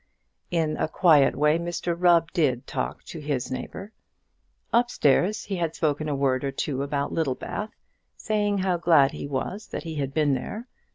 In a quiet way Mr Rubb did talk to his neighbour. Upstairs he had spoken a word or two about Littlebath, saying how glad he was that he had been there.